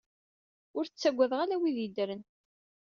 Ur ttagadeɣ ala wid yeddren!